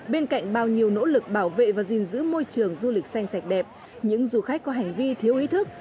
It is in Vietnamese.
bên cạnh bao nhiêu nỗ lực bảo vệ và gìn giữ môi trường du lịch xanh sạch đẹp những du khách có hành vi thiếu ý thức